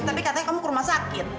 tapi katanya kamu ke rumah sakit